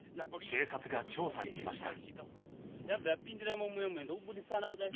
警察が調査に来ました。